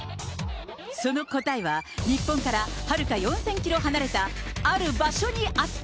その答えは、日本からはるか４０００キロ離れた、ある場所にあった。